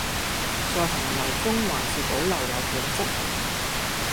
在洪流中還是能留有本質